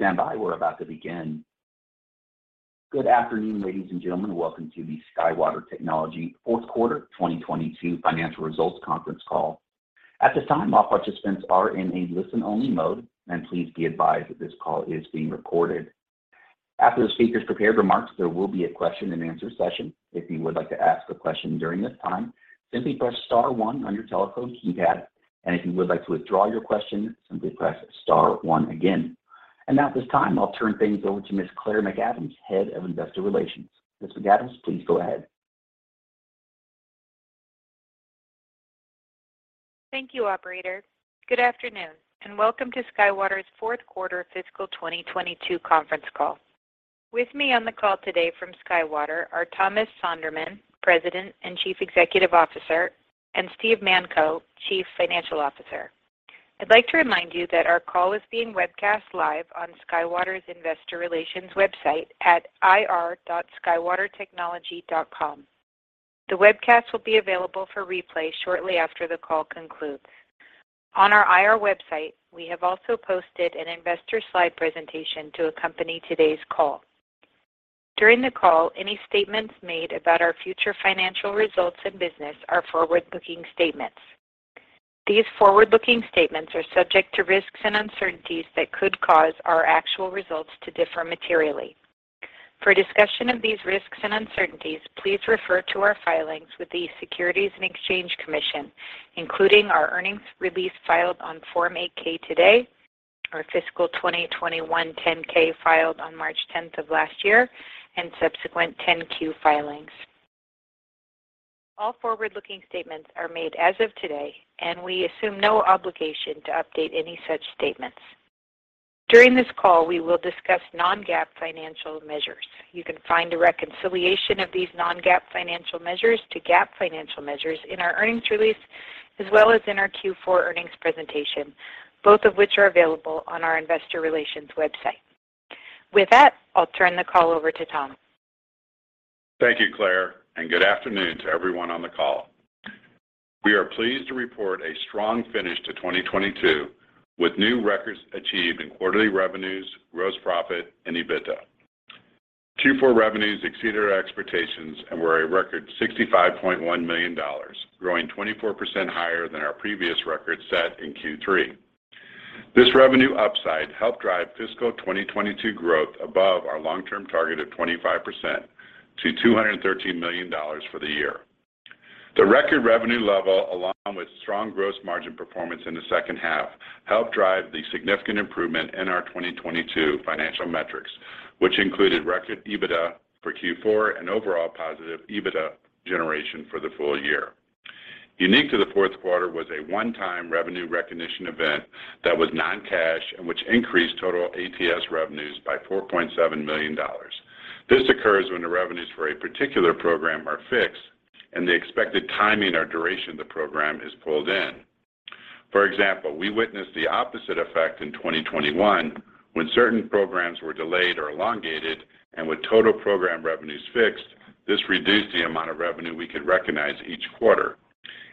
Stand by, we're about to begin. Good afternoon, ladies and gentlemen. Welcome to the SkyWater Technology fourth quarter 2022 financial results conference call. At this time, all participants are in a listen only mode, and please be advised that this call is being recorded. After the speakers' prepared remarks, there will be a question-and-answer session. If you would like to ask a question during this time, simply press star one on your telephone keypad. If you would like to withdraw your question, simply press star one again. Now at this time, I'll turn things over to Ms. Claire McAdams, Head of Investor Relations. Ms. McAdams, please go ahead. Thank you, operator. Good afternoon and welcome to SkyWater's fourth quarter fiscal 2022 conference call. With me on the call today from SkyWater are Thomas Sonderman, President and Chief Executive Officer, and Steve Manko, Chief Financial Officer. I'd like to remind you that our call is being webcast live on SkyWater's Investor Relations website at ir.skywatertechnology.com. The webcast will be available for replay shortly after the call concludes. On our IR website, we have also posted an investor slide presentation to accompany today's call. During the call, any statements made about our future financial results and business are forward-looking statements. These forward-looking statements are subject to risks and uncertainties that could cause our actual results to differ materially. For discussion of these risks and uncertainties, please refer to our filings with the Securities and Exchange Commission, including our earnings release filed on Form 8-K today, our fiscal 2021 10K filed on March ten of last year, and subsequent 10Q filings. All forward looking statements are made as of today, and we assume no obligation to update any such statements. During this call, we will discuss non-GAAP financial measures. You can find a reconciliation of these non-GAAP financial measures to GAAP financial measures in our earnings release as well as in our Q4 earnings presentation, both of which are available on our investor relations website. With that, I'll turn the call over to Tom. Thank you, Claire, and good afternoon to everyone on the call. We are pleased to report a strong finish to 2022 with new records achieved in quarterly revenues, gross profit and EBITDA. Q4 revenues exceeded our expectations and were a record $65.1 million, growing 24% higher than our previous record set in Q3. This revenue upside helped drive fiscal 2022 growth above our long-term target of 25% to $213 million for the year. The record revenue level, along with strong gross margin performance in the second half, helped drive the significant improvement in our 2022 financial metrics, which included record EBITDA for Q4 and overall positive EBITDA generation for the full year. Unique to the fourth quarter was a one-time revenue recognition event that was non-cash and which increased total ATS revenues by $4.7 million. This occurs when the revenues for a particular program are fixed and the expected timing or duration of the program is pulled in. We witnessed the opposite effect in 2021 when certain programs were delayed or elongated, and with total program revenues fixed, this reduced the amount of revenue we could recognize each quarter.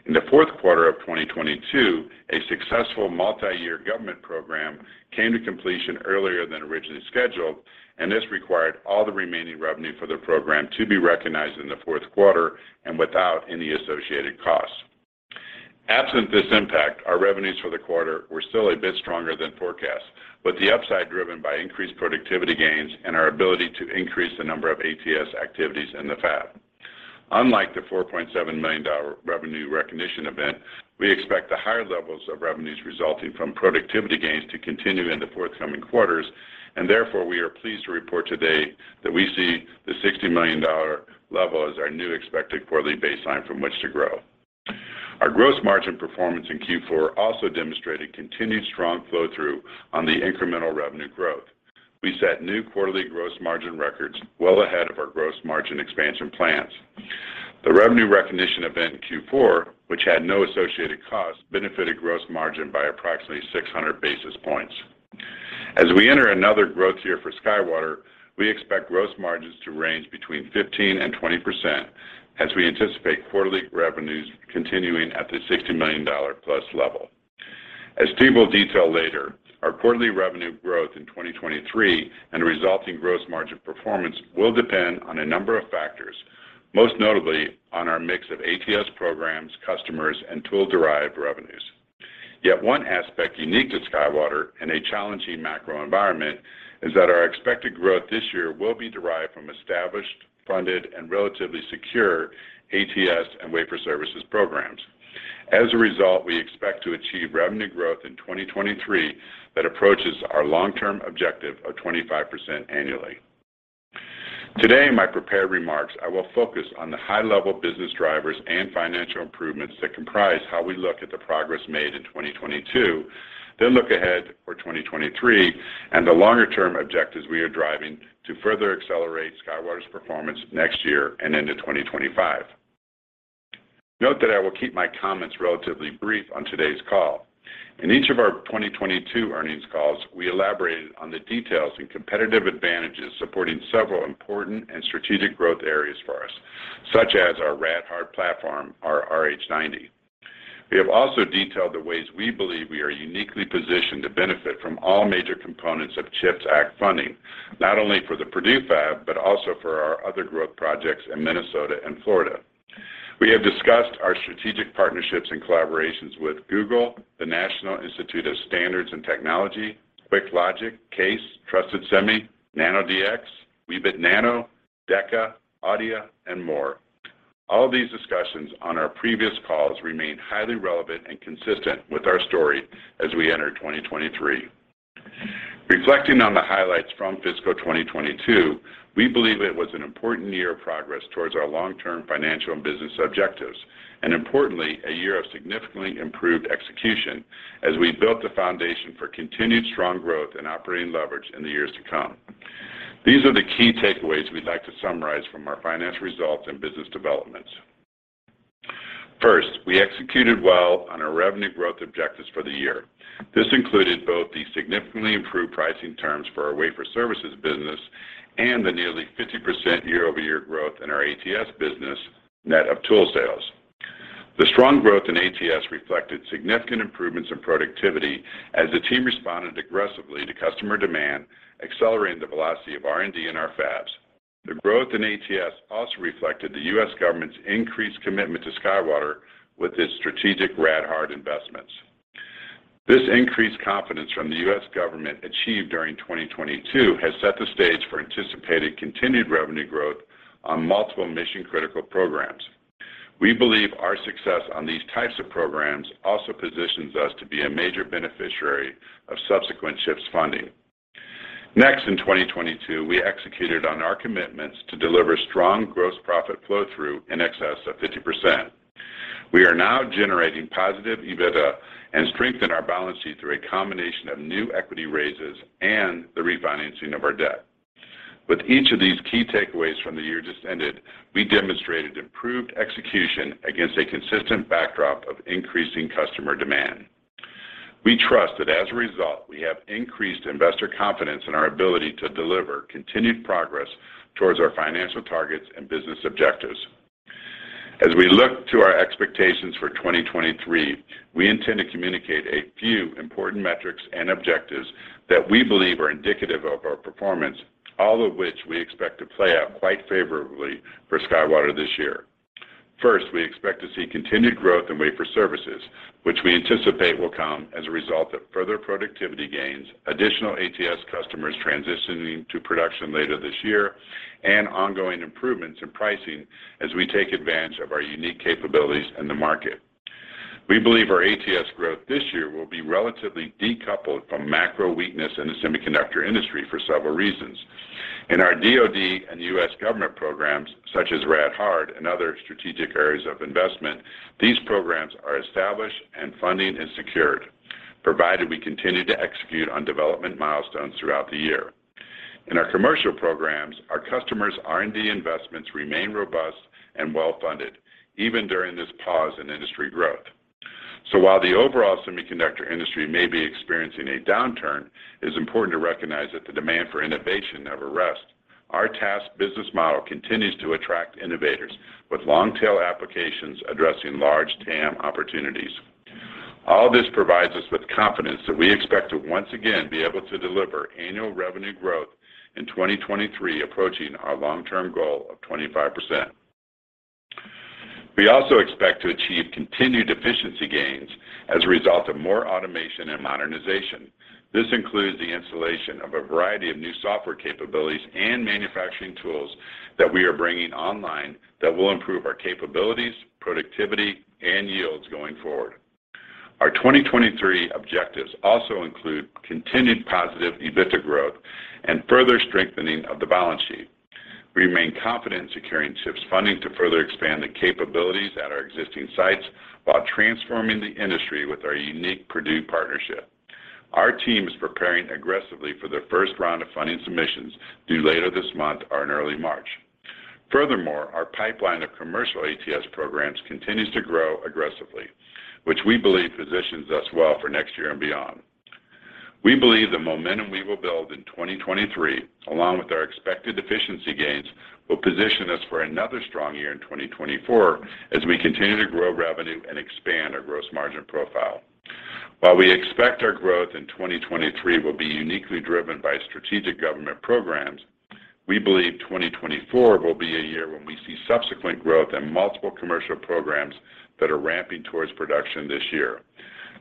In the fourth quarter of 2022, a successful multi-year government program came to completion earlier than originally scheduled, and this required all the remaining revenue for the program to be recognized in the fourth quarter and without any associated costs. Absent this impact, our revenues for the quarter were still a bit stronger than forecast, with the upside driven by increased productivity gains and our ability to increase the number of ATS activities in the fab. Unlike the $4.7 million revenue recognition event, we expect the higher levels of revenues resulting from productivity gains to continue in the forthcoming quarters. Therefore, we are pleased to report today that we see the $60 million level as our new expected quarterly baseline from which to grow. Our gross margin performance in Q4 also demonstrated continued strong flow-through on the incremental revenue growth. We set new quarterly gross margin records well ahead of our gross margin expansion plans. The revenue recognition event in Q4, which had no associated cost, benefited gross margin by approximately 600 basis points. As we enter another growth year for SkyWater, we expect gross margins to range between 15% and 20% as we anticipate quarterly revenues continuing at the $60 million plus level. As Steve will detail later, our quarterly revenue growth in 2023 and resulting gross margin performance will depend on a number of factors, most notably on our mix of ATS programs, customers, and tool derived revenues. One aspect unique to SkyWater in a challenging macro environment is that our expected growth this year will be derived from established, funded, and relatively secure ATS and wafer services programs. We expect to achieve revenue growth in 2023 that approaches our long-term objective of 25% annually. Today, in my prepared remarks, I will focus on the high-level business drivers and financial improvements that comprise how we look at the progress made in 2022, then look ahead for 2023 and the longer-term objectives we are driving to further accelerate SkyWater's performance next year and into 2025. Note that I will keep my comments relatively brief on today's call. In each of our 2022 earnings calls, we elaborated on the details and competitive advantages supporting several important and strategic growth areas for us, such as our rad-hard platform, our RH90. We have also detailed the ways we believe we are uniquely positioned to benefit from all major components of CHIPS Act funding, not only for the Purdue Fab, but also for our other growth projects in Minnesota and Florida. We have discussed our strategic partnerships and collaborations with Google, the National Institute of Standards and Technology, QuickLogic, CAES, Trusted Semi, NanoDx, Weebit Nano, Deca, Adeia, and more. All of these discussions on our previous calls remain highly relevant and consistent with our story as we enter 2023. Reflecting on the highlights from fiscal 2022, we believe it was an important year of progress towards our long-term financial and business objectives. Importantly, a year of significantly improved execution as we built the foundation for continued strong growth and operating leverage in the years to come. These are the key takeaways we'd like to summarize from our finance results and business developments. First, we executed well on our revenue growth objectives for the year. This included both the significantly improved pricing terms for our wafer services business and the nearly 50% year-over-year growth in our ATS business net of tool sales. The strong growth in ATS reflected significant improvements in productivity as the team responded aggressively to customer demand, accelerating the velocity of R&D in our fabs. The growth in ATS also reflected the U.S. government's increased commitment to SkyWater with its strategic rad-hard investments. This increased confidence from the U.S. government achieved during 2022 has set the stage for anticipated continued revenue growth on multiple mission-critical programs. We believe our success on these types of programs also positions us to be a major beneficiary of subsequent CHIPS funding. Next, in 2022, we executed on our commitments to deliver strong gross profit flow through in excess of 50%. We are now generating positive EBITDA and strengthen our balance sheet through a combination of new equity raises and the refinancing of our debt. With each of these key takeaways from the year just ended, we demonstrated improved execution against a consistent backdrop of increasing customer demand. We trust that as a result, we have increased investor confidence in our ability to deliver continued progress towards our financial targets and business objectives. As we look to our expectations for 2023, we intend to communicate a few important metrics and objectives that we believe are indicative of our performance, all of which we expect to play out quite favorably for SkyWater this year. First, we expect to see continued growth in wafer services, which we anticipate will come as a result of further productivity gains, additional ATS customers transitioning to production later this year, and ongoing improvements in pricing as we take advantage of our unique capabilities in the market. We believe our ATS growth this year will be relatively decoupled from macro weakness in the semiconductor industry for several reasons. In our DoD and U.S. government programs such as rad-hard and other strategic areas of investment, these programs are established and funding is secured, provided we continue to execute on development milestones throughout the year. In our commercial programs, our customers' R&D investments remain robust and well funded, even during this pause in industry growth. While the overall semiconductor industry may be experiencing a downturn, it's important to recognize that the demand for innovation never rests. Our task business model continues to attract innovators with long-tail applications addressing large TAM opportunities. All this provides us with confidence that we expect to once again be able to deliver annual revenue growth in 2023 approaching our long-term goal of 25%. We also expect to achieve continued efficiency gains as a result of more automation and modernization. This includes the installation of a variety of new software capabilities and manufacturing tools that we are bringing online that will improve our capabilities, productivity, and yields going forward. Our 2023 objectives also include continued positive EBITDA growth and further strengthening of the balance sheet. We remain confident securing CHIPS funding to further expand the capabilities at our existing sites while transforming the industry with our unique Purdue partnership. Our team is preparing aggressively for the first round of funding submissions due later this month or in early March. Our pipeline of commercial ATS programs continues to grow aggressively, which we believe positions us well for next year and beyond. We believe the momentum we will build in 2023, along with our expected efficiency gains, will position us for another strong year in 2024 as we continue to grow revenue and expand our gross margin profile. We expect our growth in 2023 will be uniquely driven by strategic government programs, we believe 2024 will be a year when we see subsequent growth in multiple commercial programs that are ramping towards production this year.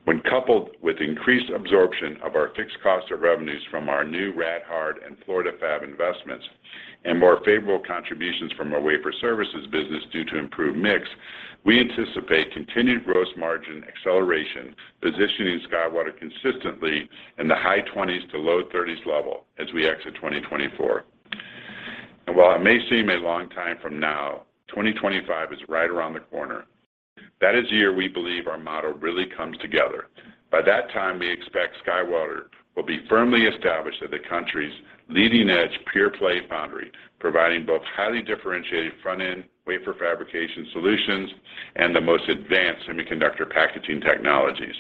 When coupled with increased absorption of our fixed cost of revenues from our new rad-hard and Florida Fab investments and more favorable contributions from our wafer services business due to improved mix, we anticipate continued gross margin acceleration, positioning SkyWater consistently in the high 20s to low 30s level as we exit 2024. While it may seem a long time from now, 2025 is right around the corner. That is the year we believe our model really comes together. By that time, we expect SkyWater will be firmly established as the country's leading-edge pure-play foundry, providing both highly differentiated front-end wafer fabrication solutions and the most advanced semiconductor packaging technologies.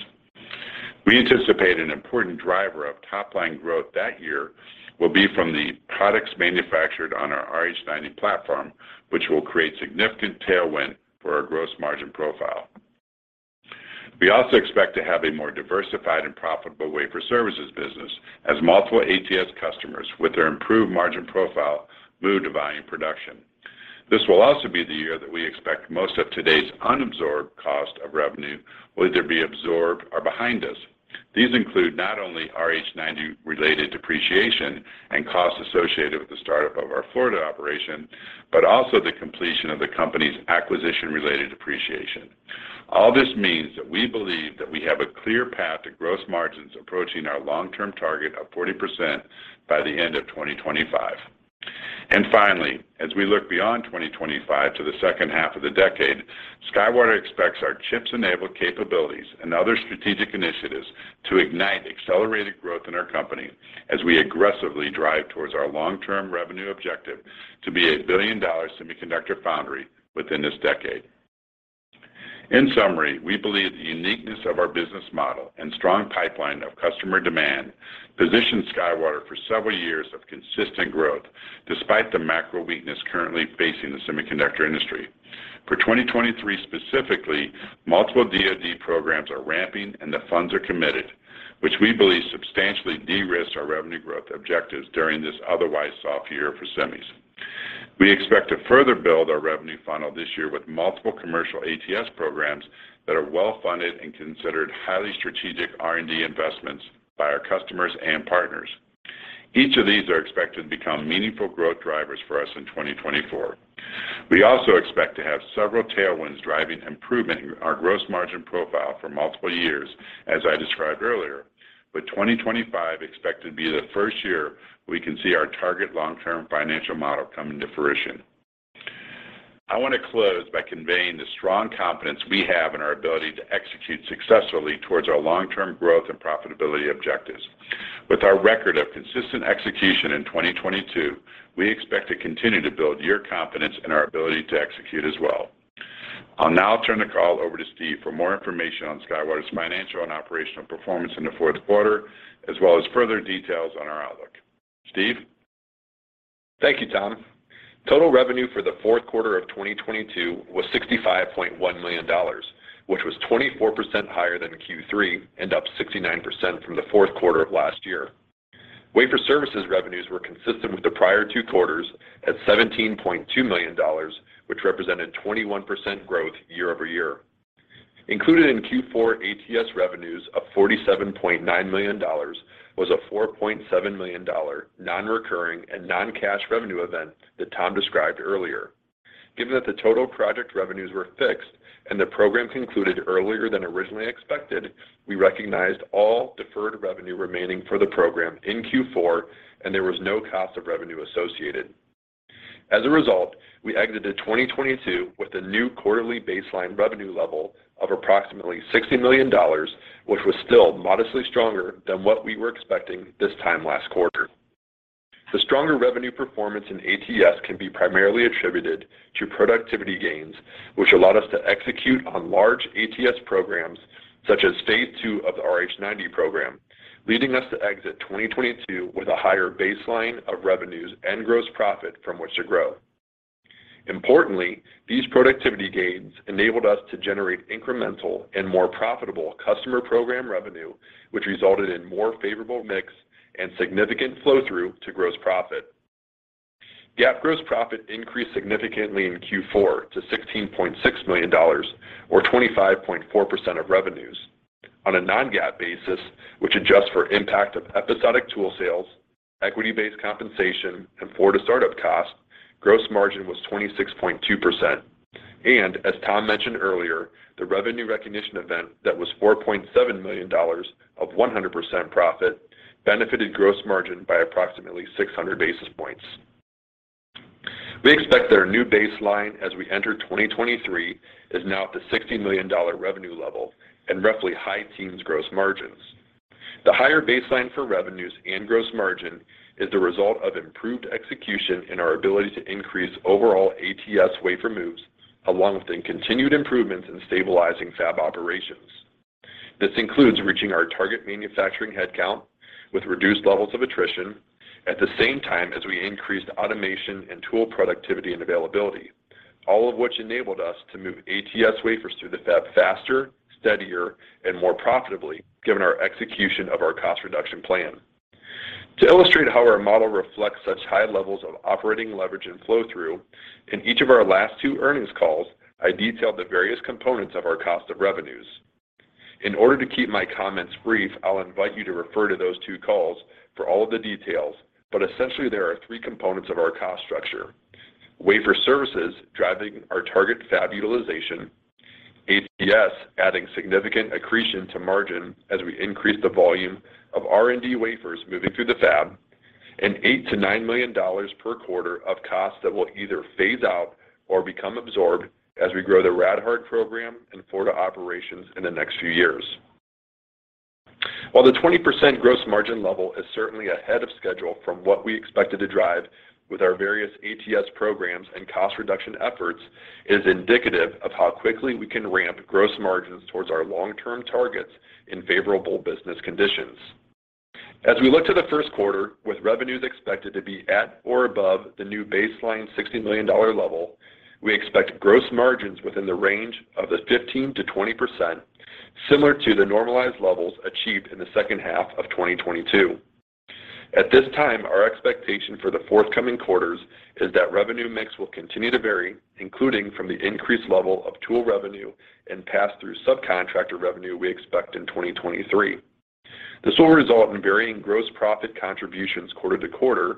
We anticipate an important driver of top-line growth that year will be from the products manufactured on our RH90 platform, which will create significant tailwind for our gross margin profile. We also expect to have a more diversified and profitable wafer services business as multiple ATS customers with their improved margin profile move to volume production. This will also be the year that we expect most of today's unabsorbed cost of revenue will either be absorbed or behind us. These include not only RH90-related depreciation and costs associated with the startup of our Florida operation, but also the completion of the company's acquisition-related depreciation. All this means that we believe that we have a clear path to gross margins approaching our long-term target of 40% by the end of 2025. Finally, as we look beyond 2025 to the second half of the decade, SkyWater expects our CHIPS-enabled capabilities and other strategic initiatives to ignite accelerated growth in our company as we aggressively drive towards our long term revenue objective to be a billion-dollar semiconductor foundry within this decade. In summary, we believe the uniqueness of our business model and strong pipeline of customer demand positions SkyWater for several years of consistent growth despite the macro weakness currently facing the semiconductor industry. For 2023 specifically, multiple DoD programs are ramping and the funds are committed, which we believe substantially de-risks our revenue growth objectives during this otherwise soft year for semis. We expect to further build our revenue funnel this year with multiple commercial ATS programs that are well-funded and considered highly strategic R&D investments by our customers and partners. Each of these are expected to become meaningful growth drivers for us in 2024. We also expect to have several tailwinds driving improvement in our gross margin profile for multiple years, as I described earlier, with 2025 expected to be the first year we can see our target long-term financial model come into fruition. I want to close by conveying the strong confidence we have in our ability to execute successfully towards our long term growth and profitability objectives. With our record of consistent execution in 2022, we expect to continue to build your confidence in our ability to execute as well. I'll now turn the call over to Steve for more information on SkyWater's financial and operational performance in the fourth quarter, as well as further details on our outlook. Steve? Thank you, Tom. Total revenue for the fourth quarter of 2022 was $65.1 million, which was 24% higher than Q3 and up 69% from the fourth quarter of last year. Wafer services revenues were consistent with the prior two quarters at $17.2 million, which represented 21% growth year-over-year. Included in Q4 ATS revenues of $47.9 million was a $4.7 million non-recurring and non-cash revenue event that Tom described earlier. Given that the total project revenues were fixed and the program concluded earlier than originally expected, we recognized all deferred revenue remaining for the program in Q4. There was no cost of revenue associated. As a result, we exited 2022 with a new quarterly baseline revenue level of approximately $60 million, which was still modestly stronger than what we were expecting this time last quarter. The stronger revenue performance in ATS can be primarily attributed to productivity gains, which allowed us to execute on large ATS programs such as phase two of the RH90 program, leading us to exit 2022 with a higher baseline of revenues and gross profit from which to grow. Importantly, these productivity gains enabled us to generate incremental and more profitable customer program revenue, which resulted in more favorable mix and significant flow-through to gross profit. GAAP gross profit increased significantly in Q4 to $16.6 million or 25.4% of revenues. On a non-GAAP basis, which adjusts for impact of episodic tool sales, equity-based compensation, and Florida startup costs, gross margin was 26.2%. As Tom mentioned earlier, the revenue recognition event that was $4.7 million of 100% profit benefited gross margin by approximately 600 basis points. We expect that our new baseline as we enter 2023 is now at the $60 million revenue level and roughly high teens gross margins. The higher baseline for revenues and gross margin is the result of improved execution in our ability to increase overall ATS wafer moves along with the continued improvements in stabilizing fab operations. This includes reaching our target manufacturing headcount with reduced levels of attrition at the same time as we increased automation and tool productivity and availability, all of which enabled us to move ATS wafers through the fab faster, steadier, and more profitably given our execution of our cost reduction plan. To illustrate how our model reflects such high levels of operating leverage and flow-through, in each of our last two earnings calls, I detailed the various components of our cost of revenues. In order to keep my comments brief, I'll invite you to refer to those 2 calls for all of the details. Essentially, there are three components of our cost structure. Wafer services driving our target fab utilization, ATS adding significant accretion to margin as we increase the volume of R&D wafers moving through the fab, and $8 million-$9 million per quarter of costs that will either phase out or become absorbed as we grow the rad-hard program and Florida operations in the next few years. While the 20% gross margin level is certainly ahead of schedule from what we expected to drive with our various ATS programs and cost reduction efforts, it is indicative of how quickly we can ramp gross margins towards our long-term targets in favorable business conditions. As we look to the first quarter with revenues expected to be at or above the new baseline $60 million level, we expect gross margins within the range of the 15%-20% similar to the normalized levels achieved in the second half of 2022. At this time, our expectation for the forthcoming quarters is that revenue mix will continue to vary, including from the increased level of tool revenue and pass-through subcontractor revenue we expect in 2023. This will result in varying gross profit contributions quarter to quarter,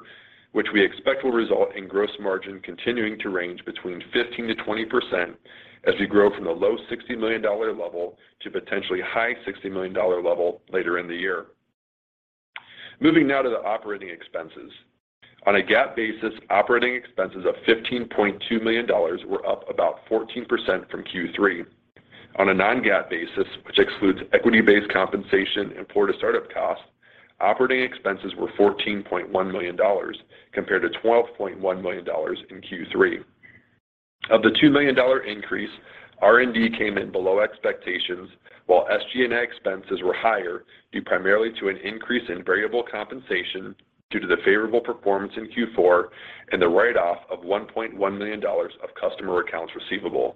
which we expect will result in gross margin continuing to range between 15%-20% as we grow from the low $60 million level to potentially high $60 million level later in the year. Moving now to the operating expenses. On a GAAP basis, operating expenses of $15.2 million were up about 14% from Q3. On a non-GAAP basis, which excludes equity-based compensation and Florida startup costs, operating expenses were $14.1 million compared to $12.1 million in Q3. Of the $2 million increase, R&D came in below expectations, while SG&A expenses were higher due primarily to an increase in variable compensation due to the favorable performance in Q4 and the write-off of $1.1 million of customer accounts receivable.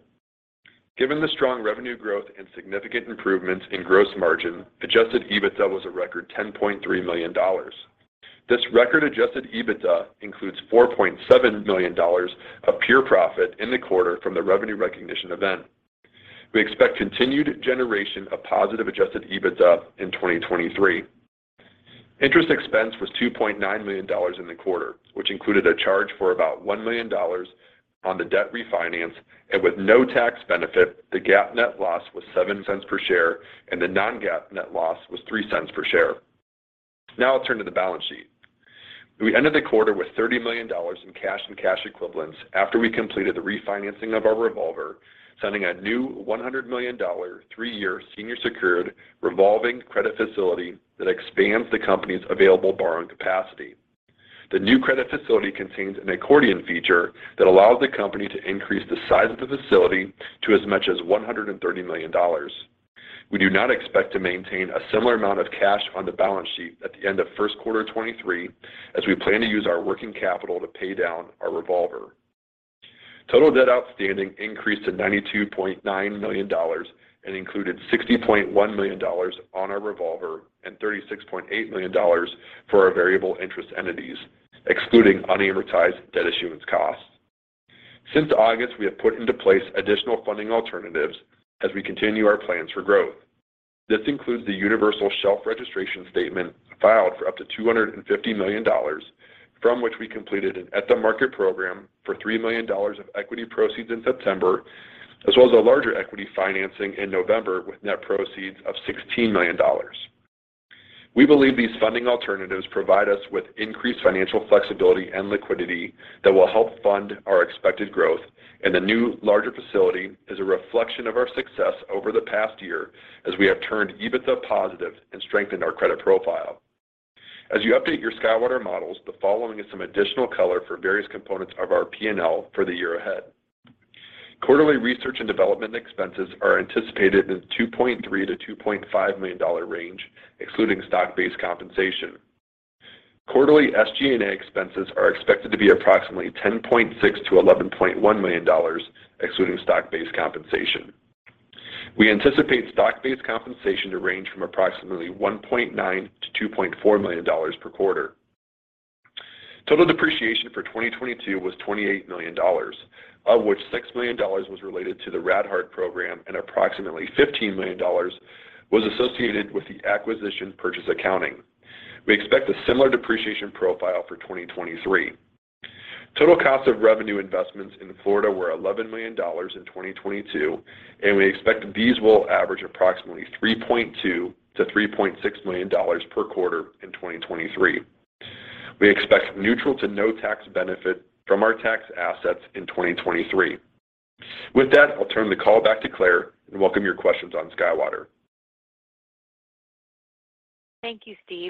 Given the strong revenue growth and significant improvements in gross margin, adjusted EBITDA was a record $10.3 million. This record adjusted EBITDA includes $4.7 million of pure profit in the quarter from the revenue recognition event. We expect continued generation of positive adjusted EBITDA in 2023. Interest expense was $2.9 million in the quarter, which included a charge for about $1 million on the debt refinance. With no tax benefit, the GAAP net loss was $0.07 per share, and the non-GAAP net loss was $0.03 per share. I'll turn to the balance sheet. We ended the quarter with $30 million in cash and cash equivalents after we completed the refinancing of our revolver, signing a new $100 million 3-year senior secured revolving credit facility that expands the company's available borrowing capacity. The new credit facility contains an accordion feature that allows the company to increase the size of the facility to as much as $130 million. We do not expect to maintain a similar amount of cash on the balance sheet at the end of first quarter 2023, as we plan to use our working capital to pay down our revolver. Total debt outstanding increased to $92.9 million and included $60.1 million on our revolver and $36.8 million for our variable interest entities, excluding unamortized debt issuance costs. Since August, we have put into place additional funding alternatives as we continue our plans for growth. This includes the Universal Shelf Registration Statement filed for up to $250 million, from which we completed an at-the-market program for $3 million of equity proceeds in September, as well as a larger equity financing in November with net proceeds of $16 million. We believe these funding alternatives provide us with increased financial flexibility and liquidity that will help fund our expected growth. The new larger facility is a reflection of our success over the past year as we have turned EBITDA positive and strengthened our credit profile. As you update your SkyWater models, the following is some additional color for various components of our P&L for the year ahead. Quarterly research and development expenses are anticipated in the $2.3 million-$2.5 million range, excluding stock-based compensation. Quarterly SG&A expenses are expected to be approximately $10.6 million-$11.1 million, excluding stock-based compensation. We anticipate stock-based compensation to range from approximately $1.9 million-$2.4 million per quarter. Total depreciation for 2022 was $28 million, of which $6 million was related to the rad-hard program and approximately $15 million was associated with the acquisition purchase accounting. We expect a similar depreciation profile for 2023. Total cost of revenue investments in Florida were $11 million in 2022, and we expect these will average approximately $3.2 million-$3.6 million per quarter in 2023. We expect neutral to no tax benefit from our tax assets in 2023. With that, I'll turn the call back to Claire and welcome your questions on SkyWater. Thank you, Steve.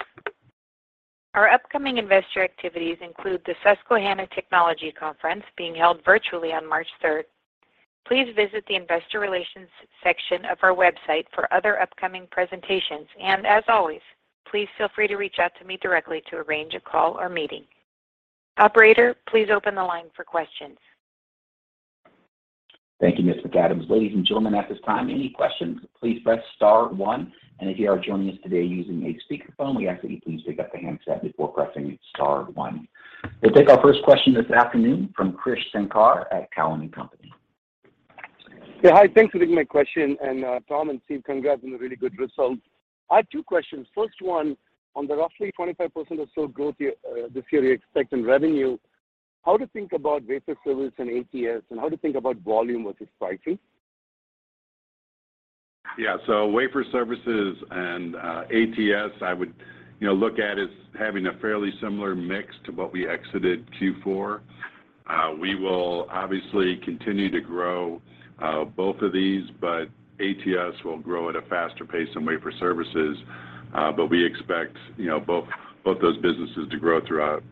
Our upcoming investor activities include the Susquehanna Technology Conference being held virtually on March 3rd. Please visit the investor relations section of our website for other upcoming presentations. As always, please feel free to reach out to me directly to arrange a call or meeting. Operator, please open the line for questions. Thank you, Ms. McAdams. Ladies and gentlemen, at this time, any questions, please press star one. If you are joining us today using a speakerphone, we ask that you please pick up the handset before pressing star one. We'll take our first question this afternoon from Krish Sankar at Cowen and Company. Yeah. Wafer services and ATS, I would, you know, look at as having a fairly similar mix to what we exited Q4. We will obviously continue to grow both of these, but ATS will grow at a faster pace than wafer services. We expect, you know, both those businesses to grow throughout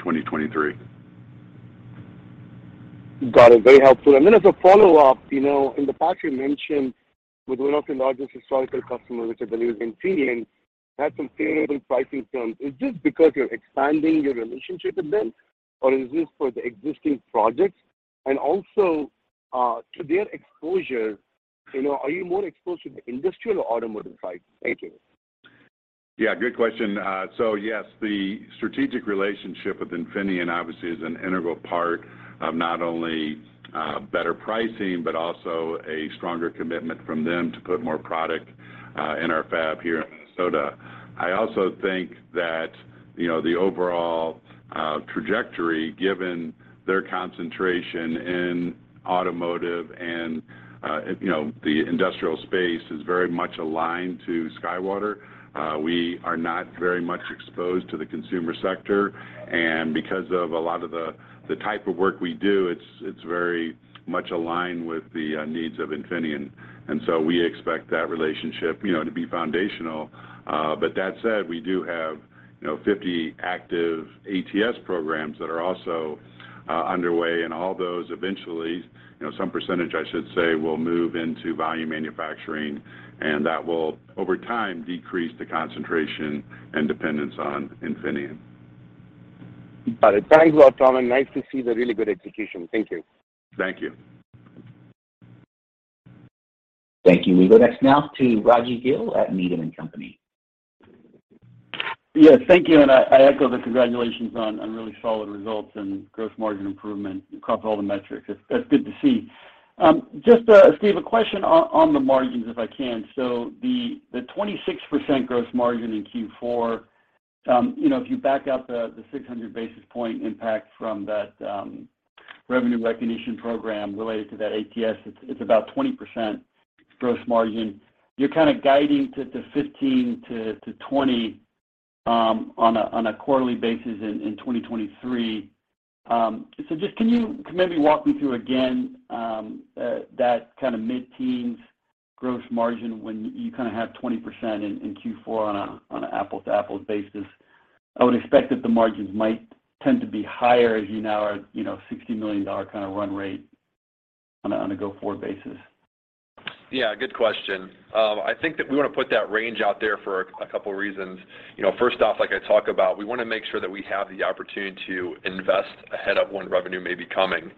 2023. Got it. Very helpful. As a follow-up, you know, in the past you mentioned with one of your largest historical customers, which I believe is Infineon, had some favorable pricing terms. Is this because you're expanding your relationship with them or is this for the existing projects? To their exposure, you know, are you more exposed to the industrial or automotive side? Thank you. Yeah, good question. Yes, the strategic relationship with Infineon obviously is an integral part of not only better pricing, but also a stronger commitment from them to put more product in our fab here in Minnesota. I also think that, you know, the overall trajectory, given their concentration in automotive and, you know, the industrial space is very much aligned to SkyWater. We are not very much exposed to the consumer sector, and because of a lot of the type of work we do, it's very much aligned with the needs of Infineon. We expect that relationship, you know, to be foundational. That said, we do have, you know, 50 active ATS programs that are also underway. All those eventually, you know, some percentage I should say, will move into volume manufacturing. That will over time decrease the concentration and dependence on Infineon. Got it. Thanks a lot, Tom, nice to see the really good execution. Thank you. Thank you. Thank you. We go next now to Rajvindra Gill at Needham & Company. Yes, thank you, and I echo the congratulations on really solid results and gross margin improvement across all the metrics. That's good to see. Just, Steve, a question on the margins, if I can. The 26% gross margin in Q4, you know, if you back out the 600 basis point impact from that revenue recognition program related to that ATS, it's about 20% gross margin. You're kind of guiding to 15%-20% on a quarterly basis in 2023. Just can you maybe walk me through again that kind of mid-teens gross margin when you kind of have 20% in Q4 on a apple-to-apples basis? I would expect that the margins might tend to be higher as you now are, you know, $60 million kind of run rate on a go-forward basis. Good question. I think that we want to put that range out there for a couple reasons. You know, first off, like I talk about, we want to make sure that we have the opportunity to invest ahead of when revenue may be coming.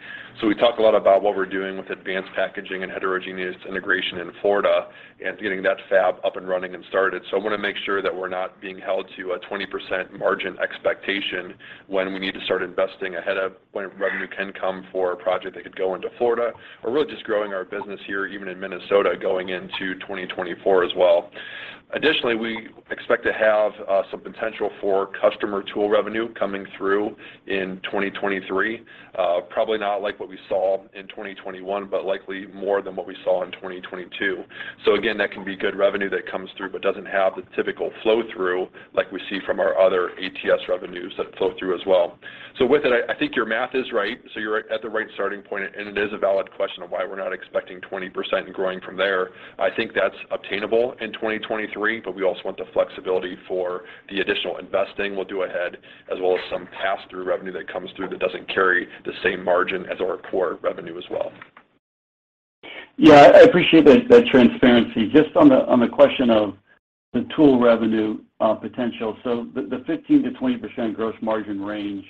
We talk a lot about what we're doing with advanced packaging and heterogeneous integration in Florida and getting that fab up and running and started. I want to make sure that we're not being held to a 20% margin expectation when we need to start investing ahead of when revenue can come for a project that could go into Florida or really just growing our business here, even in Minnesota going into 2024 as well. We expect to have some potential for customer tool revenue coming through in 2023. Probably not like what we saw in 2021, but likely more than what we saw in 2022. Again, that can be good revenue that comes through, but doesn't have the typical flow-through like we see from our other ATS revenues that flow through as well. With it, I think your math is right, so you're at the right starting point, and it is a valid question of why we're not expecting 20% and growing from there. I think that's obtainable in 2023, but we also want the flexibility for the additional investing we'll do ahead, as well as some pass-through revenue that comes through that doesn't carry the same margin as our core revenue as well. Yeah. I appreciate that transparency. Just on the, on the question of the tool revenue, potential. The, the 15%-20% gross margin range,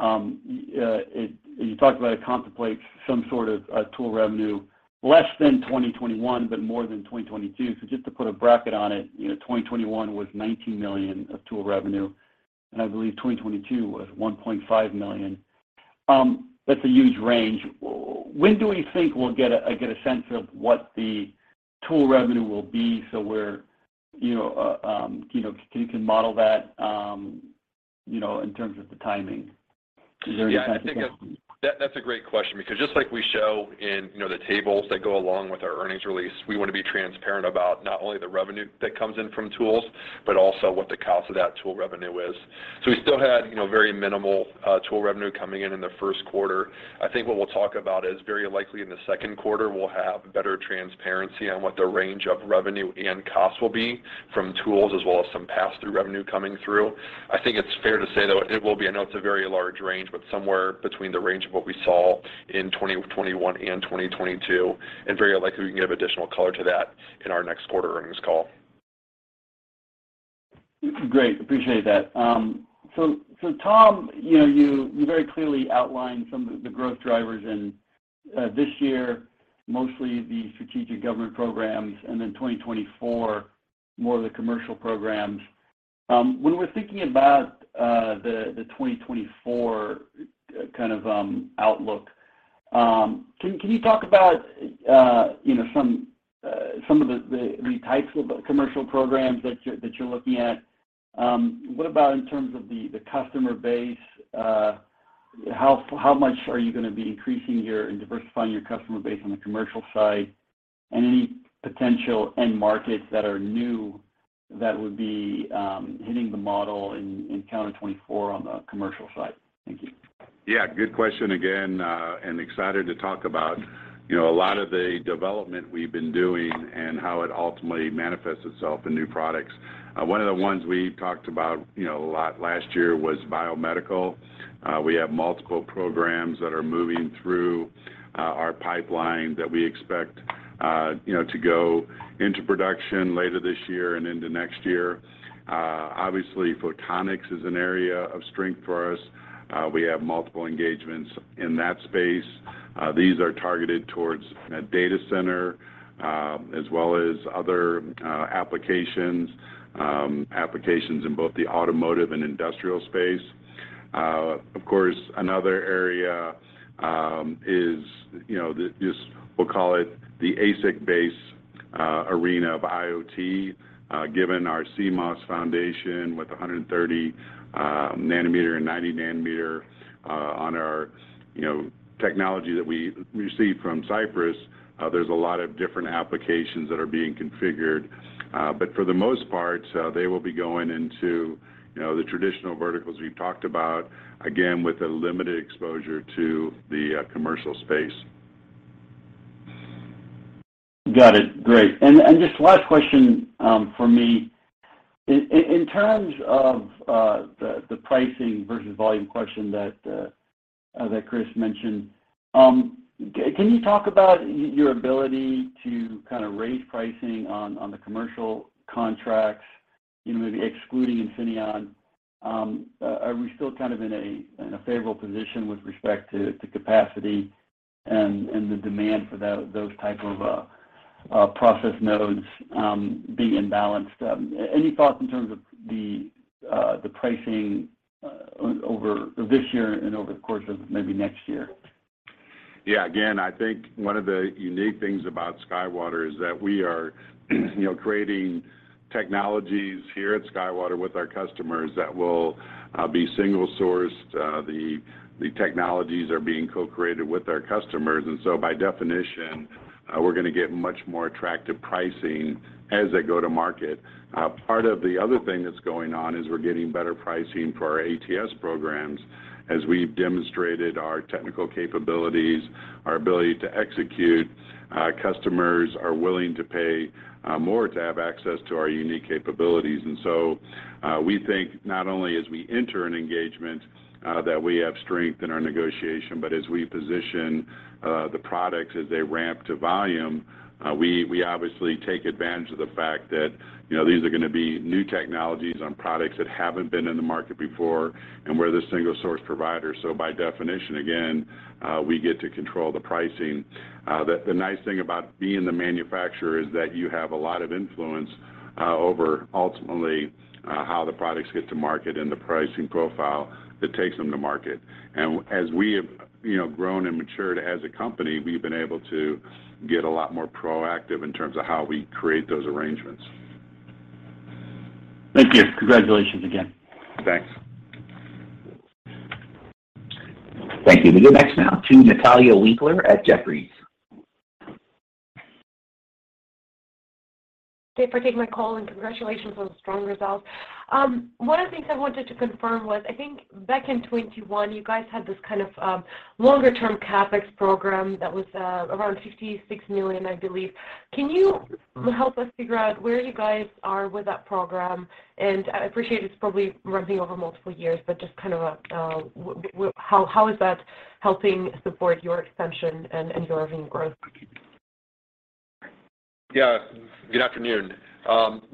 you talked about it contemplates some sort of tool revenue less than 2021, but more than 2022. Just to put a bracket on it, you know, 2021 was $19 million of tool revenue, and I believe 2022 was $1.5 million. That's a huge range. When do we think we'll get a, get a sense of what the tool revenue will be so we're, you know, can model that, you know, in terms of the timing? Is there any type of timing? Yeah. I think that that's a great question because just like we show in, you know, the tables that go along with our earnings release, we want to be transparent about not only the revenue that comes in from tools, but also what the cost of that tool revenue is. We still had, you know, very minimal tool revenue coming in in the first quarter. I think what we'll talk about is very likely in the second quarter, we'll have better transparency on what the range of revenue and costs will be from tools as well as some pass-through revenue coming through. I think it's fair to say, though, it will be. I know it's a very large range, but somewhere between the range of what we saw in 2021 and 2022, and very likely we can give additional color to that in our next quarter earnings call. Great. Appreciate that. Tom, you know, you very clearly outlined some of the growth drivers in this year, mostly the strategic government programs and then 2024, more of the commercial programs. When we're thinking about the 2024 kind of outlook, can you talk about, you know, some of the types of commercial programs that you're looking at? What about in terms of the customer base? How much are you gonna be increasing your and diversifying your customer base on the commercial side? Any potential end markets that are new that would be hitting the model in calendar 2024 on the commercial side? Thank you. Good question again, and excited to talk about, you know, a lot of the development we've been doing and how it ultimately manifests itself in new products. One of the ones we talked about, you know, a lot last year was biomedical. We have multiple programs that are moving through our pipeline that we expect, you know, to go into production later this year and into next year. Obviously, photonics is an area of strength for us. We have multiple engagements in that space. These are targeted towards a data center, as well as other applications in both the automotive and industrial space. Of course, another area is, you know, this, we'll call it the ASIC-based arena of IoT, given our CMOS foundation with 130 nanometer and 90 nanometer on our, you know, technology that we received from Cypress, there's a lot of different applications that are being configured. For the most part, they will be going into, you know, the traditional verticals we've talked about, again, with a limited exposure to the commercial space. Got it. Great. Just last question from me. In terms of the pricing versus volume question that Chris mentioned, can you talk about your ability to kind of raise pricing on the commercial contracts, you know, maybe excluding Infineon? Are we still kind of in a favorable position with respect to capacity and the demand for those type of process nodes being balanced? Any thoughts in terms of the pricing over this year and over the course of maybe next year? Again, I think one of the unique things about SkyWater is that we are, you know, creating technologies here at SkyWater with our customers that will be single-sourced. The technologies are being co-created with our customers, by definition, we're gonna get much more attractive pricing as they go to market. Part of the other thing that's going on is we're getting better pricing for our ATS programs. As we've demonstrated our technical capabilities, our ability to execute, customers are willing to pay more to have access to our unique capabilities. We think not only as we enter an engagement, that we have strength in our negotiation, but as we position, the products as they ramp to volume, we obviously take advantage of the fact that, you know, these are gonna be new technologies on products that haven't been in the market before and we're the single source provider. By definition, again, we get to control the pricing. The nice thing about being the manufacturer is that you have a lot of influence, over ultimately, how the products get to market and the pricing profile that takes them to market. As we have, you know, grown and matured as a company, we've been able to get a lot more proactive in terms of how we create those arrangements. Thank you. Congratulations again. Thanks. Thank you. We go next now to Natalia Winkler at Jefferies. Thanks for taking my call, congratulations on the strong results. One of the things I wanted to confirm was, I think back in 2021, you guys had this kind of, longer term CapEx program that was, around $56 million, I believe. Can you help us figure out where you guys are with that program? I appreciate it's probably running over multiple years, but just kind of, how is that helping support your expansion and driving growth? Yeah. Good afternoon.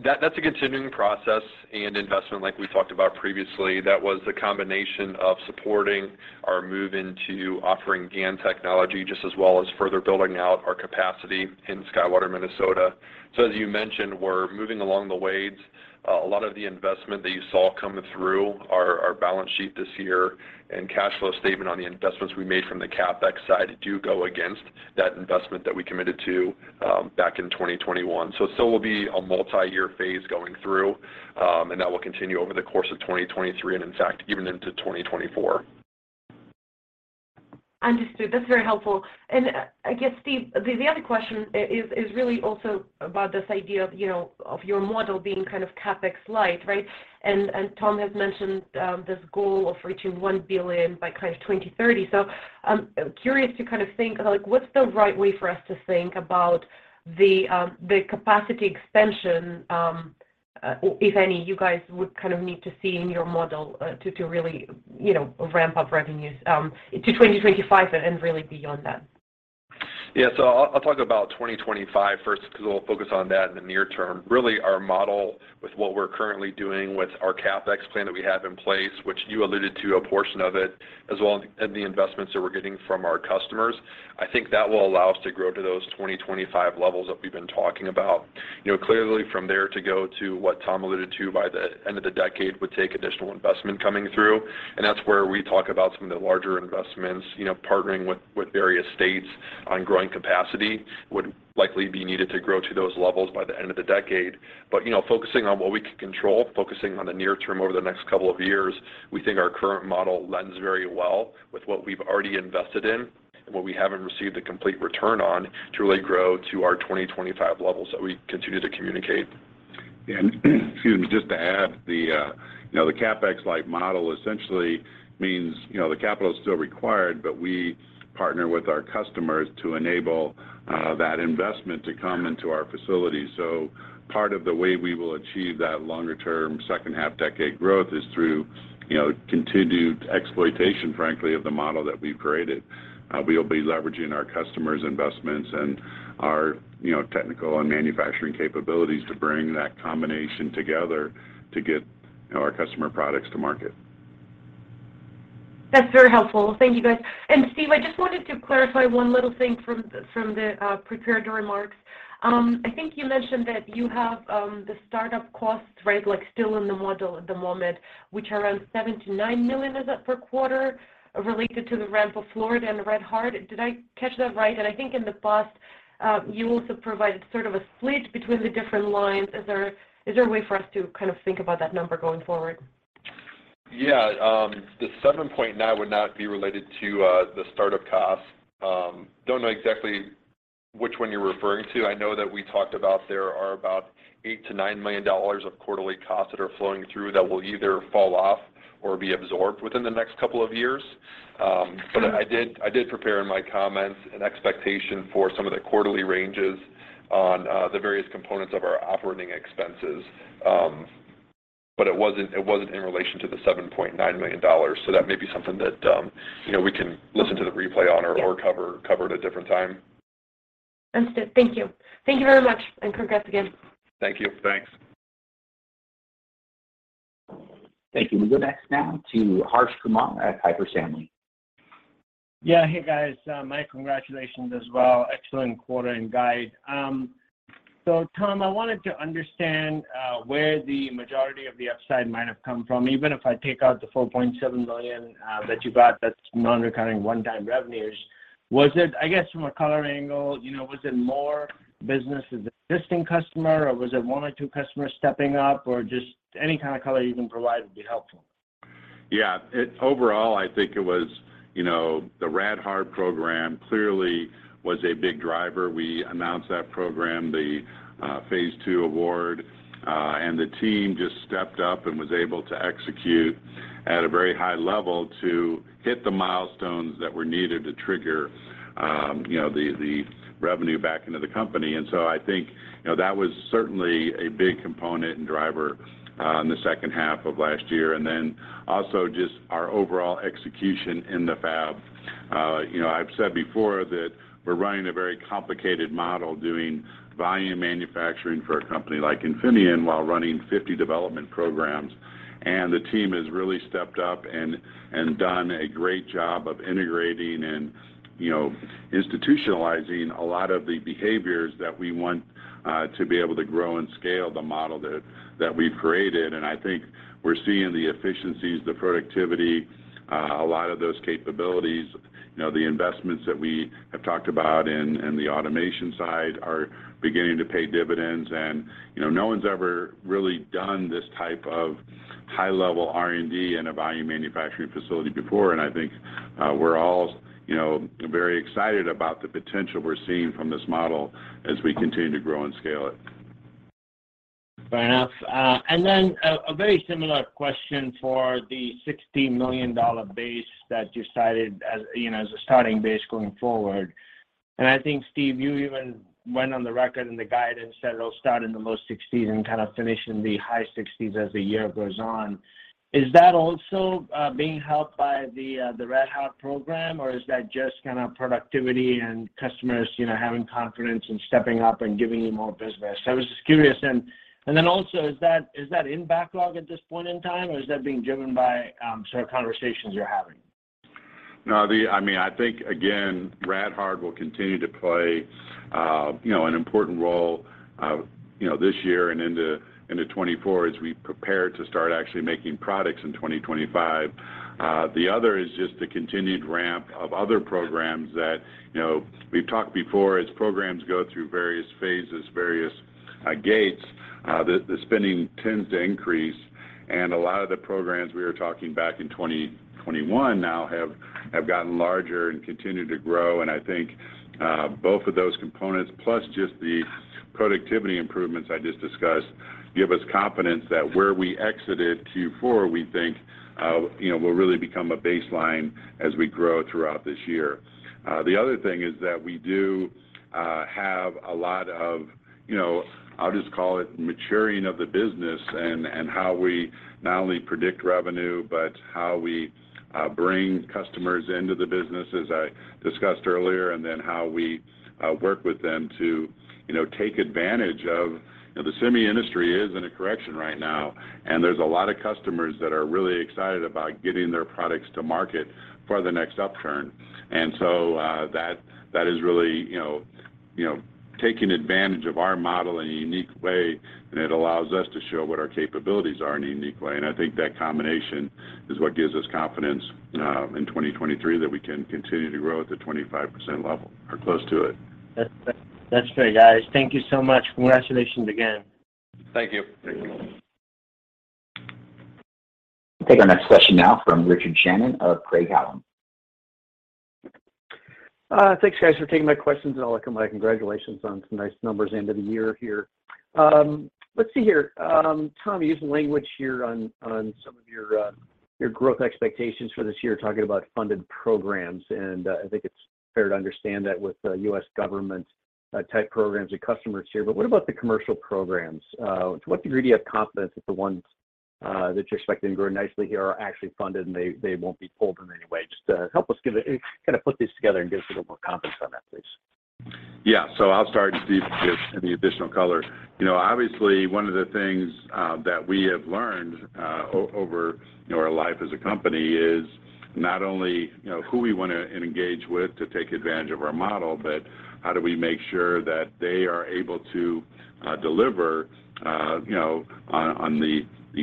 That's a continuing process and investment like we talked about previously. That was the combination of supporting our move into offering GaN technology, just as well as further building out our capacity in SkyWater, Minnesota. As you mentioned, we're moving along the waves. A lot of the investment that you saw coming through our balance sheet this year and cash flow statement on the investments we made from the CapEx side do go against that investment that we committed to back in 2021. It still will be a multi-year phase going through, and that will continue over the course of 2023 and in fact, even into 2024. Understood. That's very helpful. I guess, Steve, the other question is really also about this idea of, you know, of your model being kind of CapEx light, right? Tom has mentioned this goal of reaching $1 billion by kind of 2030. I'm curious to kind of think, like, what's the right way for us to think about the capacity expansion, if any, you guys would kind of need to see in your model, to really, you know, ramp up revenues, to 2025 and really beyond that? Yeah. I'll talk about 2025 first because we'll focus on that in the near term. Really, our model with what we're currently doing with our CapEx plan that we have in place, which you alluded to a portion of it, as well as the investments that we're getting from our customers, I think that will allow us to grow to those 2025 levels that we've been talking about. You know, clearly from there to go to what Tom alluded to by the end of the decade would take additional investment coming through, and that's where we talk about some of the larger investments. You know, partnering with various states on growing capacity would likely be needed to grow to those levels by the end of the decade. You know, focusing on what we can control, focusing on the near term over the next couple of years, we think our current model lends very well with what we've already invested in and what we haven't received a complete return on to really grow to our 2025 levels that we continue to communicate. Excuse me, just to add the, you know, the CapEx-like model essentially means, you know, the capital's still required, but we partner with our customers to enable that investment to come into our facility. Part of the way we will achieve that longer-term second half decade growth is through, you know, continued exploitation, frankly, of the model that we've created. We'll be leveraging our customers' investments and our, you know, technical and manufacturing capabilities to bring that combination together to get, you know, our customer products to market. That's very helpful. Thank you, guys. Steve, I just wanted to clarify one little thing from the, from the prepared remarks. I think you mentioned that you have the start-up costs, right, like still in the model at the moment, which are around $7 million-$9 million, is that per quarter, related to the ramp of Florida and the rad-hard. Did I catch that right? I think in the past, you also provided sort of a split between the different lines. Is there a way for us to kind of think about that number going forward? Yeah, the $7.9 would not be related to the start-up costs. Don't know exactly which one you're referring to. I know that we talked about there are about $8 million-$9 million of quarterly costs that are flowing through that will either fall off or be absorbed within the next couple of years. I did, I did prepare in my comments an expectation for some of the quarterly ranges on the various components of our operating expenses. It wasn't, it wasn't in relation to the $7.9 million, so that may be something that, you know, we can listen to the replay on or cover at a different time. Understood. Thank you. Thank you very much, and congrats again. Thank you. Thanks. Thank you. We go next now to Harsh Kumar at Piper Sandler. Yeah. Hey, guys. My congratulations as well. Excellent quarter and guide. Tom, I wanted to understand where the majority of the upside might have come from, even if I take out the $4.7 billion that you got that's non-recurring one-time revenues. I guess from a color angle, you know, was it more business with existing customer or was it one or two customers stepping up or just any kind of color you can provide would be helpful? Yeah. Overall, I think it was, you know, the rad-hard program clearly was a big driver. We announced that program, the phase two award, and the team just stepped up and was able to execute at a very high level to hit the milestones that were needed to trigger, you know, the revenue back into the company. I think, you know, that was certainly a big component and driver in the second half of last year. Then also just our overall execution in the fab. You know, I've said before that we're running a very complicated model doing volume manufacturing for a company like Infineon while running 50 development programs. The team has really stepped up and done a great job of integrating and, you know, institutionalizing a lot of the behaviors that we want to be able to grow and scale the model that we've created. I think we're seeing the efficiencies, the productivity, a lot of those capabilities, you know, the investments that we have talked about in the automation side are beginning to pay dividends. You know, no one's ever really done this type of high-level R&D in a volume manufacturing facility before, and I think we're all, you know, very excited about the potential we're seeing from this model as we continue to grow and scale it. Fair enough. Then a very similar question for the $60 million base that you cited as, you know, as a starting base going forward. I think, Steve, you even went on the record in the guidance said it'll start in the low 60s and kind of finish in the high 60s as the year goes on. Is that also being helped by the rad-hard program, or is that just kind of productivity and customers, you know, having confidence and stepping up and giving you more business? I was just curious. Then also is that in backlog at this point in time, or is that being driven by sort of conversations you're having? No, I mean, I think, again, rad-hard will continue to play, you know, an important role, you know, this year and into 2024 as we prepare to start actually making products in 2025. The other is just the continued ramp of other programs that, you know, we've talked before. As programs go through various phases, various gates, the spending tends to increase. A lot of the programs we were talking back in 2021 now have gotten larger and continue to grow. I think both of those components, plus just the productivity improvements I just discussed, give us confidence that where we exited Q4, we think, you know, will really become a baseline as we grow throughout this year. The other thing is that we do have a lot of, you know, I'll just call it maturing of the business and how we not only predict revenue, but how we bring customers into the business as I discussed earlier, and then how we work with them to, you know, take advantage of. You know, the semi industry is in a correction right now, and there's a lot of customers that are really excited about getting their products to market for the next upturn. That is really, you know, taking advantage of our model in a unique way, and it allows us to show what our capabilities are in a unique way. I think that combination is what gives us confidence, in 2023 that we can continue to grow at the 25% level or close to it. That's great, guys. Thank you so much. Congratulations again. Thank you. We'll take our next question now from Richard Shannon of Craig-Hallum. Thanks guys for taking my questions. I'll echo my congratulations on some nice numbers end of the year here. Let's see here. Tom, you used the language here on some of your growth expectations for this year, talking about funded programs. I think it's fair to understand that with the U.S. government type programs and customers here. What about the commercial programs? To what degree do you have confidence that the ones that you're expecting to grow nicely here are actually funded, and they won't be pulled in any way? Just help us kind of put these together and give us a little more confidence on that, please. Yeah. I'll start, and Steve can give any additional color. You know, obviously, one of the things that we have learned over, you know, our life as a company is not only, you know, who we wanna engage with to take advantage of our model, but how do we make sure that they are able to deliver, you know, on the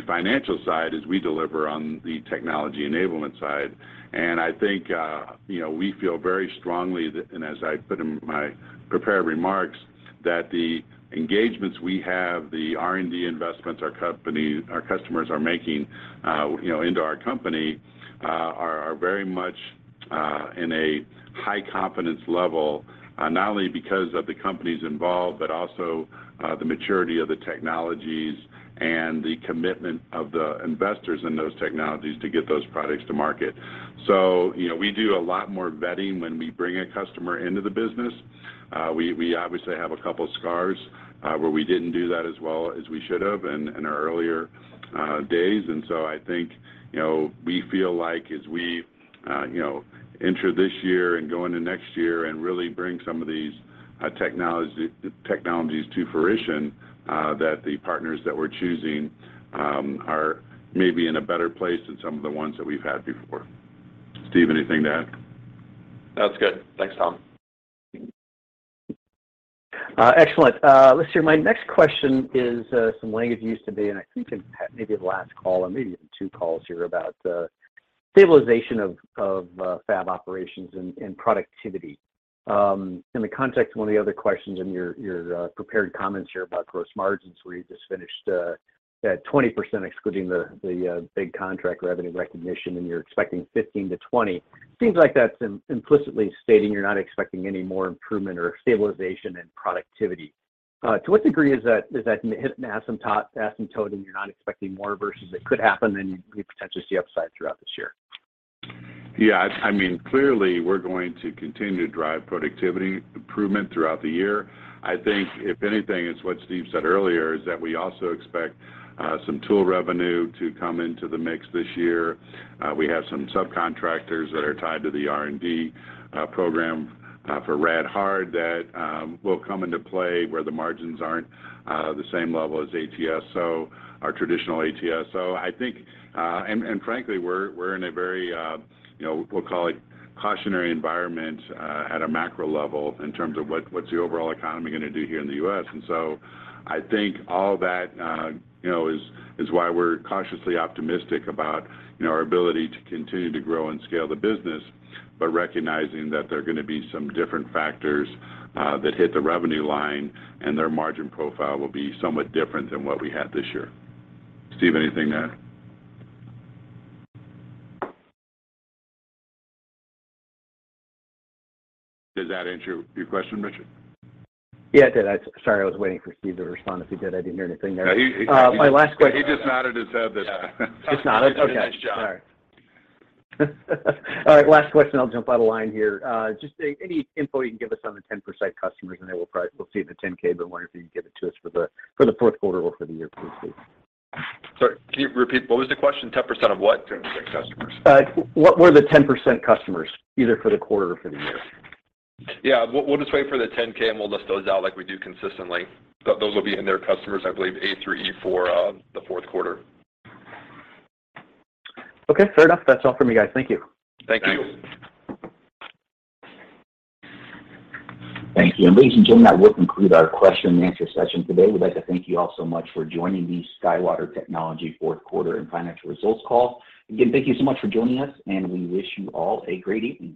financial side as we deliver on the technology enablement side. I think, you know, we feel very strongly that, and as I put in my prepared remarks, that the engagements we have, the R&D investments our customers are making, you know, into our company, are very much in a high confidence level, not only because of the companies involved, but also, the maturity of the technologies and the commitment of the investors in those technologies to get those products to market. You know, we do a lot more vetting when we bring a customer into the business. We obviously have a couple scars, where we didn't do that as well as we should have in our earlier days. I think, you know, we feel like as we, you know, enter this year and go into next year and really bring some of these technologies to fruition, that the partners that we're choosing are maybe in a better place than some of the ones that we've had before. Steve, anything to add? That's good. Thanks, Tom. Excellent. Let's see, my next question is some language you used today, and I think I've had maybe the last call or maybe even two calls here about stabilization of fab operations and productivity. In the context of one of the other questions in your prepared comments here about gross margins, where you just finished at 20% excluding the big contract revenue recognition, and you're expecting 15%-20%. Seems like that's implicitly stating you're not expecting any more improvement or stabilization in productivity. To what degree is that hitting an asymptote and you're not expecting more versus it could happen, and we potentially see upside throughout this year? I mean, clearly, we're going to continue to drive productivity improvement throughout the year. I think if anything, it's what Steve said earlier, is that we also expect some tool revenue to come into the mix this year. We have some subcontractors that are tied to the R&D program for rad-hard that will come into play where the margins aren't the same level as ATS, so our traditional ATS. I think, and frankly, we're in a very, you know, we'll call it cautionary environment at a macro level in terms of what's the overall economy gonna do here in the U.S. I think all that, you know, is why we're cautiously optimistic about, you know, our ability to continue to grow and scale the business, but recognizing that there are gonna be some different factors that hit the revenue line, and their margin profile will be somewhat different than what we had this year. Steve, anything to add? Does that answer your question, Richard? Yeah, it did. Sorry, I was waiting for Steve to respond. If he did, I didn't hear anything there. Yeah, he. My last question- He just nodded his head. Yeah. He nodded? Okay. Nice job. All right. All right, last question, I'll jump out of line here. just any info you can give us on the 10% customers, I know we'll see in the 10-K, but I'm wondering if you can give it to us for the, for the fourth quarter or for the year, please, Steve. Sorry, can you repeat? What was the question? 10% of what to existing customers? What were the 10% customers, either for the quarter or for the year? Yeah. We'll just wait for the 10-K, we'll list those out like we do consistently. Those will be in there, customers, I believe, A through E for the fourth quarter. Okay, fair enough. That's all from me, guys. Thank you. Thank you. Thanks. Thank you. Ladies and gentlemen, that will conclude our question and answer session today. We'd like to thank you all so much for joining the SkyWater Technology fourth quarter and financial results call. Thank you so much for joining us, and we wish you all a great evening.